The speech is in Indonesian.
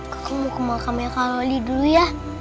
kakak mau ke makamnya kak loli dulu ya